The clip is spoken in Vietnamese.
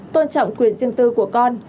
tôn trọng quyền riêng tư của con